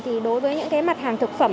thì đối với những cái mặt hàng thực phẩm